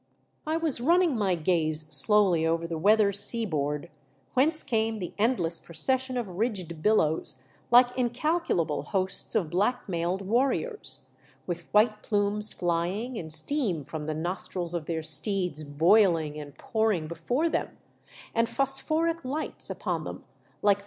I was running my gaze slowly over the weather sea board, whence came the endless procession of ridged billows like incalculable hosts of black mailed warriors, with white plumes flying and steam from the nostrils of their steeds boiling and pouring before them, and phosphoric lights upon them like the 320 THE DEATH SHIP.